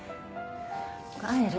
帰る。